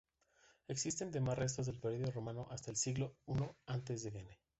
Existen además restos del período romano hasta el siglo I a.n.e.